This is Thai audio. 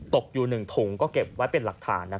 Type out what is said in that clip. ตกอยู่๑ถุงก็เก็บไว้เป็นหลักฐาน